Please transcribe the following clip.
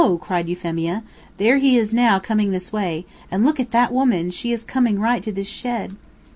cried Euphemia. "There he is now, coming this way. And look at that woman! She is coming right to this shed."